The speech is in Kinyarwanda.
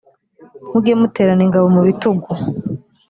muge muterana ingabo mu bitugu.